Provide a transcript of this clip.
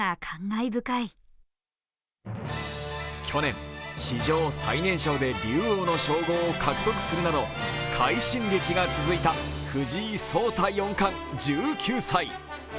去年、史上最年少で竜王の称号を獲得するなど快進撃が続いた藤井聡太四冠１９歳。